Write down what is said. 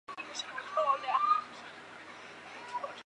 田浦站横须贺线的铁路车站。